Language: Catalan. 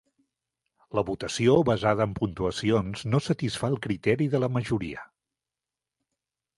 La votació basada en puntuacions no satisfà el criteri de la majoria.